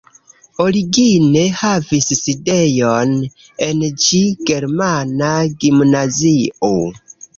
Origine havis sidejon en ĝi germana gimnazio.